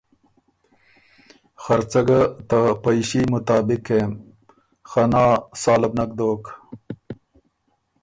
خرڅه ګۀ ته پئݭي مطابق کېم، خه نا، ساله بو نک دوک۔